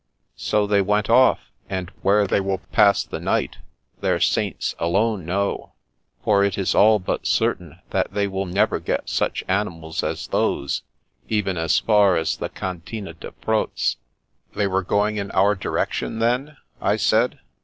So they went off, and where they will pass the night, their saints alone know, for it is all but certain that they will never get such animals as those even as far as the Cantine de Proz." They were going in our direction, then?" I said.